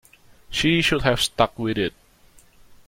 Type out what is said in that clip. She should have stuck with it.